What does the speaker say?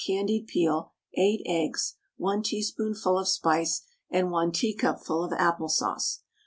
candied peel, 8 eggs, 1 teaspoonful of spice, and 1 teacupful of apple sauce.